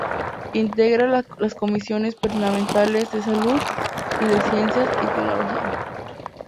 Integra las comisiones permanentes de Salud; y de Ciencias y Tecnología.